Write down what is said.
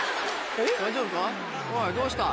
大丈夫か？